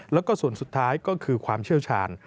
แล้วก็ส่วนสุดท้ายก็คือความเชี่ยวชาญ